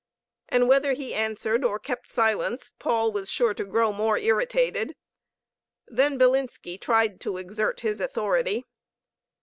And whether he answered or kept silence, Paul was sure to grow more irritated. Then Bilinski tried to exert his authority.